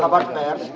tadi berbicara tentang